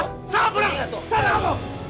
salah pulang salah pulang